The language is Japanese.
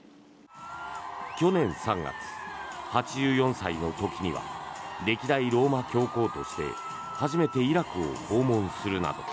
去年３月、８４歳の時には歴代ローマ教皇として初めてイラクを訪問するなど